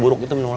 kamu mau ke pos